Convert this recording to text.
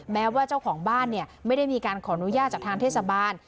แม้ว่าเจ้าของบ้านเนี่ยไม่ได้มีการขออนุญาตจากทางเทศบาล